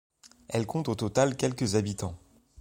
Elle compte au total quelque habitants.